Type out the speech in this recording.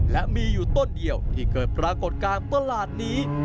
และมีอยู่ต้นเดียวที่เกิดปรากฏการณ์ประหลาดนี้